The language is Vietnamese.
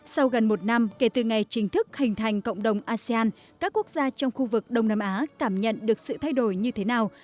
sau gần một năm kể từ ngày chính thức hình thành cộng đồng asean các quốc gia trong khu vực đông nam á cảm nhận được sự thay đổi như thế nào